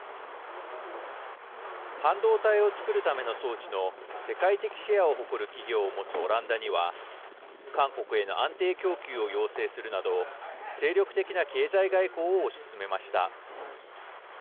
半導体をつくるための装置の世界的シェアを誇る企業を持つオランダには韓国への安定供給を要請するなど精力的な経済外交を推し進めました。